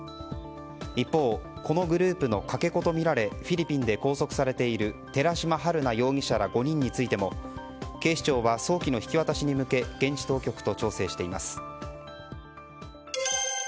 一方、このグループのかけ子とみられフィリピンで拘束されていている寺島春奈容疑者ら５人についても警視庁は早期の引き渡しに向け現地当局と調整しています。